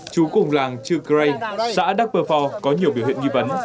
chú cùng làng trư cray xã đắc bờ phò có nhiều biểu hiện nghi vấn